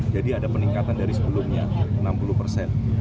jadi ada peningkatan dari sebelumnya enam puluh persen